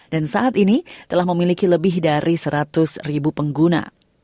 dan saat ini telah memiliki lebih dari seratus ribu pengguna